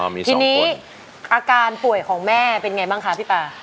ทีนี้อาการป่วยของแม่เป็นไงบ้างคะพี่ป่า